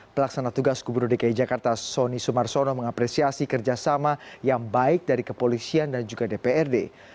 pelaksana tugas gubernur dki jakarta sonny sumarsono mengapresiasi kerjasama yang baik dari kepolisian dan juga dprd